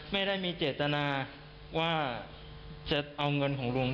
ไม่ได้มีเจตนาว่าจะเอาเงินของลุง